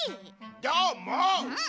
どーもっ！